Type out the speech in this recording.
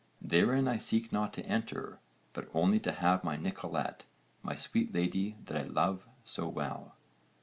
Therein I seek not to enter, but only to have my Nicolete, my sweet lady that I love so well.'